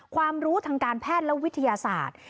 ความรู้ทางการแพทย์และวิทยาศาสตร์